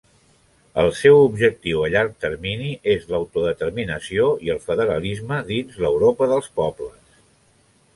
El seu objectiu a llarg termini és l'autodeterminació i el federalisme dins l'Europa dels pobles.